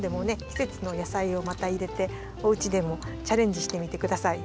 きせつのやさいをまたいれておうちでもチャレンジしてみてください。